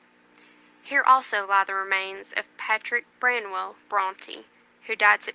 HERE ALSO LIE THE REMAINS OF PATRICK BRANWELL BRONTE, WHO DIED SEPT.